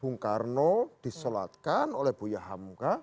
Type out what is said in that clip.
bung karno disolatkan oleh bu yahamka